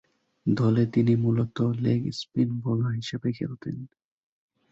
দলে তিনি মূলতঃ লেগ স্পিন বোলার হিসেবে খেলতেন।